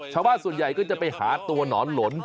ชาวบ้านส่วนใหญ่ก็จะไปหาตัวหนอนหลน